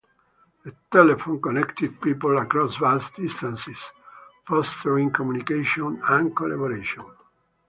The telephone connected people across vast distances, fostering communication and collaboration.